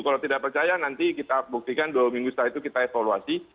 kalau tidak percaya nanti kita buktikan dua minggu setelah itu kita evaluasi